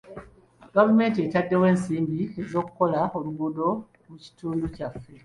Gavumenti etaddewo ensimbi ez'okukola oluguudo mu kitundu kyaffe.